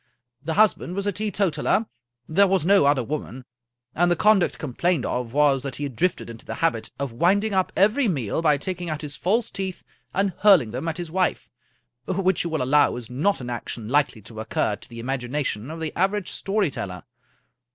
The husband was a teetotaler, there was no other woman, and the conduct complained of was that he had drifted into the habit of winding up every meal by taking out his false teeth and hurling them at his wife, which you will allow is not an action likely to occur to the imagination of the average story teller.